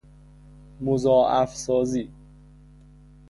مضاعف سازی